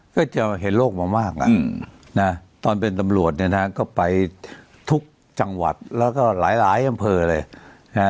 ก็จะเห็นโรคมากนะตอนเป็นตำรวจเนี่ยนะก็ไปทุกจังหวัดแล้วก็หลายอำเภอเลย